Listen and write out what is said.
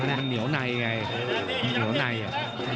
มันเหนียวในไงเหนียวใน